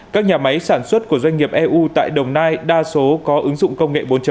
các nhà máy sản xuất của doanh nghiệp eu tại đồng nai đa số có ứng dụng công nghệ bốn